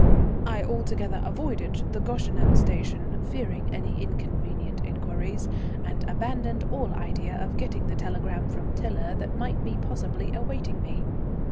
I altogether avoided the Goeschenen station, fearing any inconvenient inquiries, and abandoned all idea of getting the telegram from Tiler that might be possibly awaiting me.